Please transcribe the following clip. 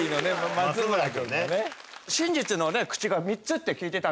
松村君ね。